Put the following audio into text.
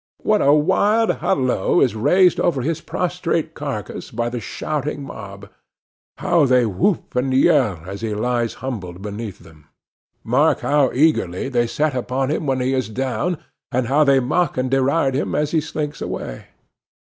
What a wild hallo is raised over his prostrate carcase by the shouting mob; how they whoop and yell as he lies humbled beneath them! Mark how eagerly they set upon him when he is down; and how they mock and deride him as he slinks away.